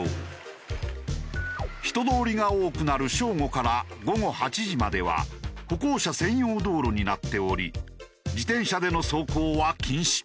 人通りが多くなる正午から午後８時までは歩行者専用道路になっており自転車での走行は禁止。